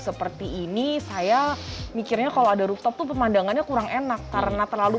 seperti ini saya mikirnya kalau ada rooftop tuh pemandangannya kurang enak karena terlalu